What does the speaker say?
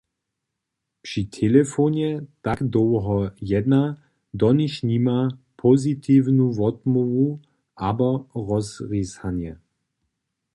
Při telefonje tak dołho jedna, doniž nima pozitiwnu wotmołwu abo rozrisanje.